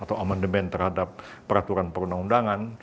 atau perubahan atau amendement terhadap peraturan perundang undangan